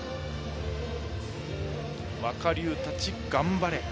若竜たち、頑張れ！